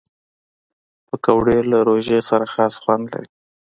پکورې له روژې سره خاص خوند لري